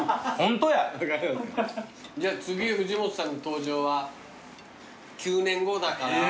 じゃあ次藤本さんの登場は９年後だから。